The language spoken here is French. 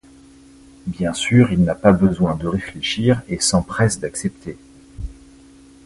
Bien sûr il n’a pas besoin de réfléchir et s’empresse d’accepter.